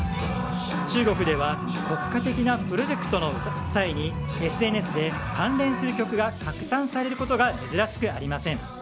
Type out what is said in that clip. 中国では国家的なプロジェクトの際にＳＮＳで関連する曲が拡散されることが珍しくありません。